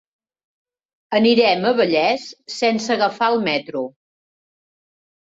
Anirem a Vallés sense agafar el metro.